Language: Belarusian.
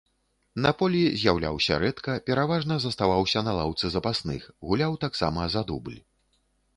На полі з'яўляўся рэдка, пераважна заставаўся на лаўцы запасных, гуляў таксама за дубль.